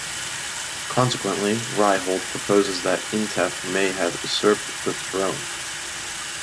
Consequently, Ryholt proposes that Intef may have usurped the throne.